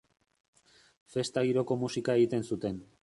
Festa giroko musika egiten zuten.